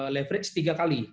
diterapkan tiga kali